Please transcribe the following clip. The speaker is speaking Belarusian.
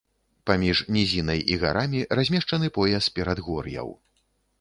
Паміж нізінай і гарамі размешчаны пояс перадгор'яў.